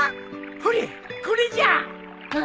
ほれこれじゃ。